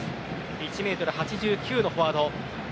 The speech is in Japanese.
１ｍ８９のフォワード。